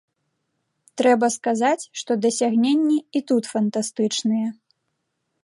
Трэба сказаць, што дасягненні і тут фантастычныя.